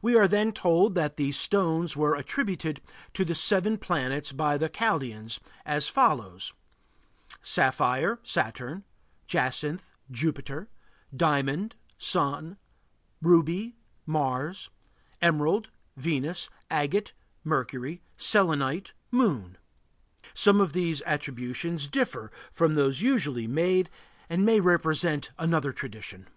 We are then told that these stones were attributed to the seven planets by the Chaldæans, as follows: Sapphire Saturn Jacinth Jupiter Diamond Sun Ruby Mars Emerald Venus Agate Mercury Selenite Moon Some of these attributions differ from those usually made and may represent another tradition.